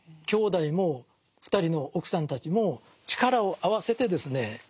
兄弟も２人の奥さんたちも力を合わせてですね